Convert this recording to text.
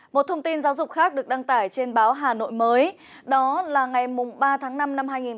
một thông tin giáo dục khác được đăng tải trên báo hà nội mới đó là ngày mùng ba tháng năm năm hai nghìn một mươi chín